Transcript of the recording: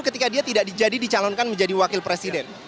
ketika dia tidak jadi dicalonkan menjadi wakil presiden